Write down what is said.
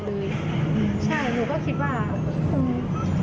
ใช่หนูก็คิดว่าคง